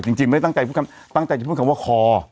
จริงไม่ได้ตั้งใจพูดคำตั้งใจจะพูดคำว่าคอ